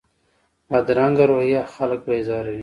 بدرنګه رویه خلک بېزاروي